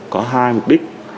có hai mục đích